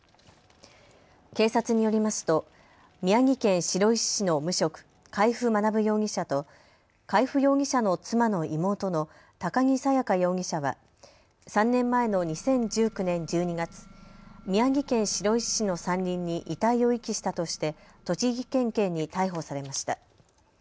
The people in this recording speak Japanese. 警察によりますと宮城県白石市の無職、海部学容疑者と海部容疑者の妻の妹の高木沙耶花容疑者は３年前の２０１９年１２月、宮城県白石市の山林に遺体を遺棄したとして栃木県警に逮捕されました。